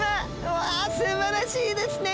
うわすばらしいですね！